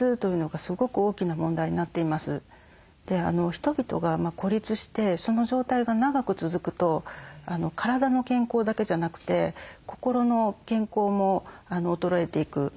人々が孤立してその状態が長く続くと体の健康だけじゃなくて心の健康も衰えていく。